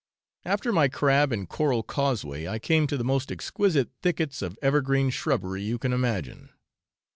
After my crab and coral causeway I came to the most exquisite thickets of evergreen shrubbery you can imagine.